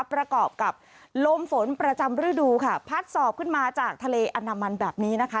ประกอบกับลมฝนประจำฤดูค่ะพัดสอบขึ้นมาจากทะเลอันดามันแบบนี้นะคะ